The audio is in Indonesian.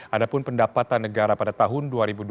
adapun pendapatan negara pada tahun dua ribu dua puluh tiga